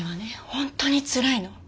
本当につらいの。